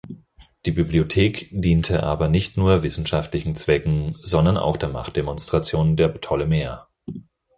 Die Bibliothek diente aber nicht nur wissenschaftlichen Zwecken, sondern auch der Machtdemonstration der Ptolemäer.